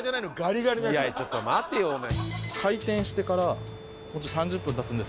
いやちょっと待てよお前。